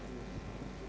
di rianto di rukodin apa